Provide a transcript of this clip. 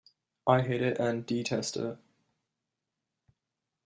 I hate it and detest it.